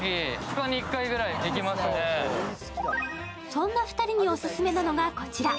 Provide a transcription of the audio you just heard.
そんな２人にオススメなのがこちら。